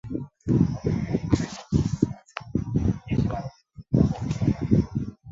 这种金属羰基配合物是金属有机化学和有机合成中的试剂及催化剂。